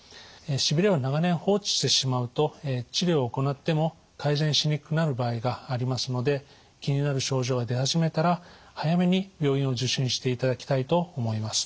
しびれを長年放置してしまうと治療を行っても改善しにくくなる場合がありますので気になる症状が出始めたら早めに病院を受診していただきたいと思います。